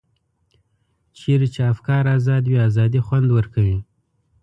چېرته چې افکار ازاد وي ازادي خوند ورکوي.